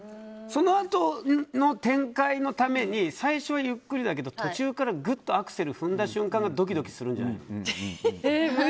そのあとの展開のために最初、ゆっくりだけど途中からぐっとアクセル踏んだ瞬間がむずい。